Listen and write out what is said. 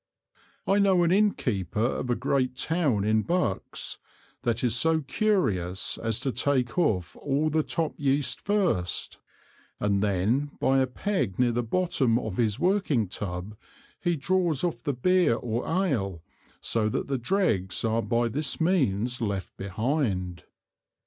I know an Inn keeper of a great Town in Bucks that is so curious as to take off all the top Yeast first, and then by a Peg near the bottom of his working Tub, he draws off the Beer or Ale, so that the Dreggs are by this means left behind.